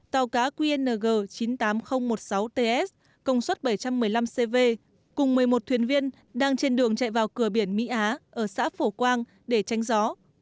tàu cá qng chín mươi tám nghìn một mươi sáu ts công suất bảy trăm một mươi năm cv cùng một mươi một thuyền viên đang trên đường chạy vào cửa biển mỹ á ở xã phổ quang để tranh gió